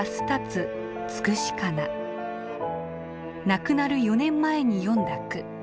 亡くなる４年前に詠んだ句。